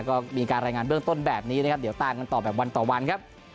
ก็มีการรายงานเบื้องต้นแบบนี้นะครับเดี๋ยวตามกันต่อแบบวันต่อวันครับ